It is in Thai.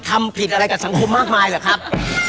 ทำผิดอะไรกับสังคมมากมายเหรอครับ